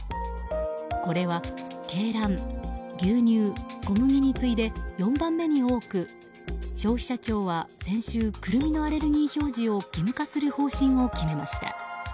これは鶏卵、牛乳、小麦に次いで４番目に多く、消費者庁は先週クルミのアレルギー表示を義務化する方針を決めました。